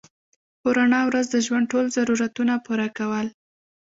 په رڼا ورځ د ژوند ټول ضرورتونه پوره کول